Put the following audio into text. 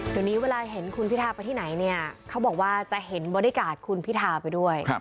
เดี๋ยวนี้เวลาเห็นคุณพิทาไปที่ไหนเนี่ยเขาบอกว่าจะเห็นบริการคุณพิธาไปด้วย